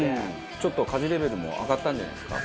ちょっと家事レベルも上がったんじゃないですか？